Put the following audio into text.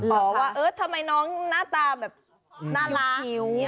เหรอว่าเอิ๊ยทำไมน้องหน้าตาแบบน่ารักนิ้ว